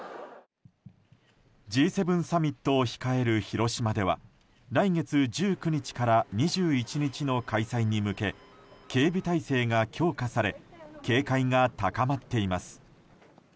Ｇ７サミットを控える広島では来月１９日から２１日の開催に向け警備態勢が強化され警戒が高まっています。